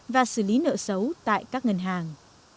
và xử lý nợ xấu tại các ngân hàng